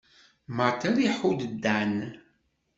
Matt ad iḥudd Dan.